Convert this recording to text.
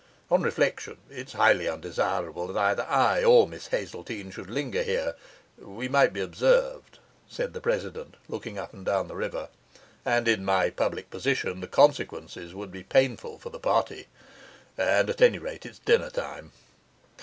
On reflection, it's highly undesirable that either I or Miss Hazeltine should linger here. We might be observed,' said the president, looking up and down the river; 'and in my public position the consequences would be painful for the party. And, at any rate, it's dinner time.